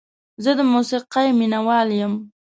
زه د موسیقۍ مینه وال یم.